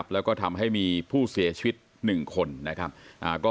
แล้วก็ทำให้มีผู้เสียชีวิต๑คน